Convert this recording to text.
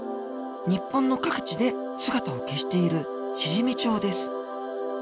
日本の各地で姿を消しているシジミチョウです。